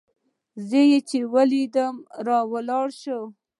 زه چې يې ولېدلم راولاړ سو.